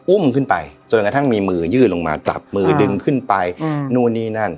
อุ้มขึ้นไปจนกระทั่งมีมือยื่นลงมากลับมือดึงขึ้นไปนู่นนี่นั่น